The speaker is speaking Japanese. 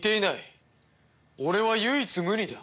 俺は唯一無二だ。